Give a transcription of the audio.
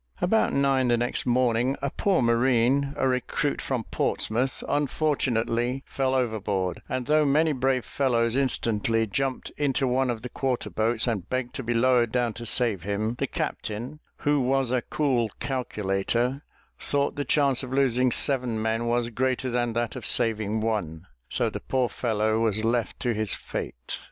About nine the next morning, a poor marine, a recruit from Portsmouth, unfortunately fell overboard; and though many brave fellows instantly jumped into one of the quarter boats, and begged to be lowered down to save him, the captain, who was a cool calculator, thought the chance of losing seven men was greater than that of saving one, so the poor fellow was left to his fate.